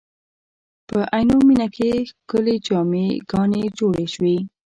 په عینومېنه کې ښکلې جامع ګانې جوړې شوې.